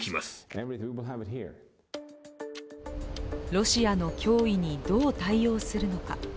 ロシアの脅威にどう対応するのか。